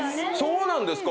そうなんですか。